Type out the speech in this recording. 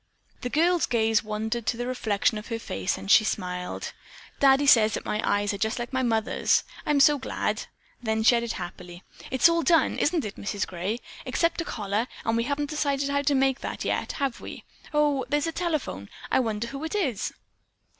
The girl's gaze wandered to the reflection of her face and she smiled. "Daddy says that my eyes are just like Mother's. I'm so glad." Then she added happily: "It's all done, isn't it, Mrs. Gray, except a collar, and we haven't decided how to make that yet, have we? Oh, there's the telephone. I wonder who it is?"